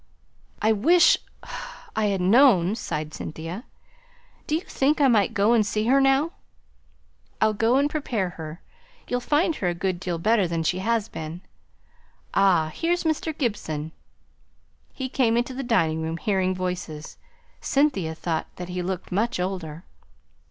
"I wish I had known!" sighed Cynthia. "Do you think I might go and see her now?" "I'll go and prepare her. You'll find her a good deal better than she has been. Ah; here's Mr. Gibson!" He came into the dining room, hearing voices. Cynthia thought that he looked much older.